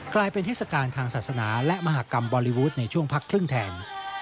กลายเป็นเทศกาลทางศาสนาและมหากรรมบอลลีวูดในช่วงพักครึ่งแทน